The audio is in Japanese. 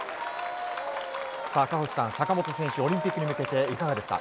赤星さん、坂本選手オリンピックに向けていかがですか？